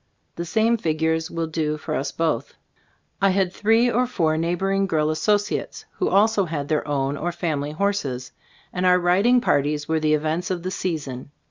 The same figures will do for us both. I had three or four neighboring girl associates who also had their own or family horses, and our riding parties were the events of the season.